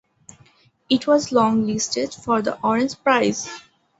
It was longlisted for the Orange prize.